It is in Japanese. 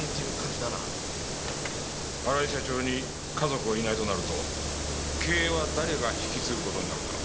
荒井社長に家族がいないとなると経営は誰が引き継ぐ事になるんだ？